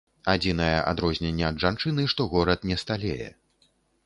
Адзінае адрозненне ад жанчыны, што горад не сталее.